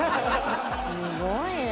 すごいね。